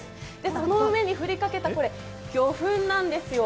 その上に振りかけた、これ、魚粉なんですよ。